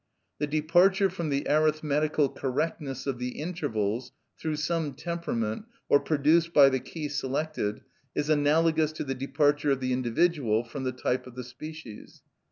The departure from the arithmetical correctness of the intervals, through some temperament, or produced by the key selected, is analogous to the departure of the individual from the type of the species.